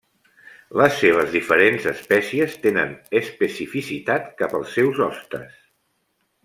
Les seves diferents espècies tenen especificitat cap als seus hostes.